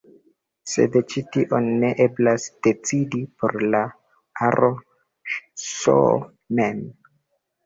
Sed ĉi tion ne eblas decidi por la aro "S" mem.